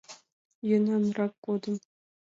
Йӧнанрак годым.